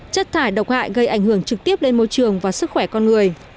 chất thải độc hại gây ảnh hưởng trực tiếp lên môi trường và sức khỏe con người